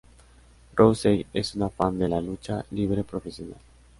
Rousey es una fan de la lucha libre profesional.